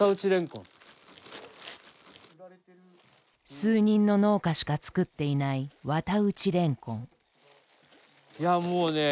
数人の農家しか作っていない綿内れんこん。